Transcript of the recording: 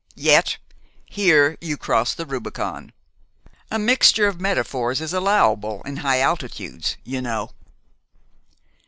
Yet here you cross the Rubicon. A mixture of metaphors is allowable in high altitudes, you know."